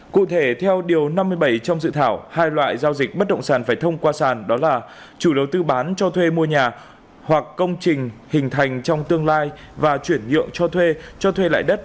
cụ thể theo điều năm mươi bảy trong dự thảo hai loại giao dịch bất động sản phải thông qua sàn đó là chủ đầu tư bán cho thuê mua nhà hoặc công trình hình thành trong tương lai và chuyển nhượng cho thuê cho thuê lại đất